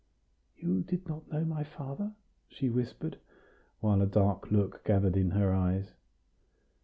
"You did not know my father?" she whispered, while a dark look gathered in her eyes.